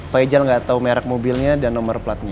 pak ijal gak tau merk mobilnya dan nomor platnya